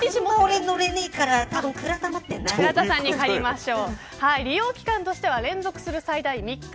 俺、乗れないから倉田さんに借りましょう。